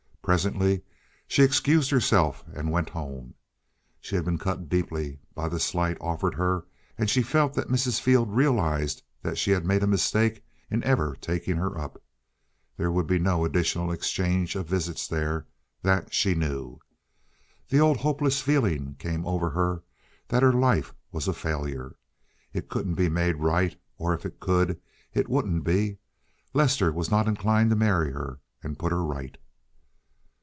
Presently she excused herself and went home. She had been cut deeply by the slight offered her, and she felt that Mrs. Field realized that she had made a mistake in ever taking her up. There would be no additional exchange of visits there—that she knew. The old hopeless feeling came over her that her life was a failure. It couldn't be made right, or, if it could, it wouldn't be. Lester was not inclined to marry her and put her right.